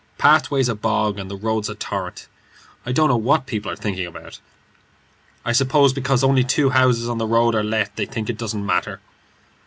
Pathway's a bog, and the road's a torrent. I don't know what people are thinking about. I suppose because only two houses in the road are let, they think it doesn't matter."